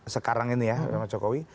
sekarang ini ya pak jokowi